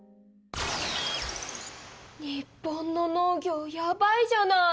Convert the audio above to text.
日本の農業やばいじゃない！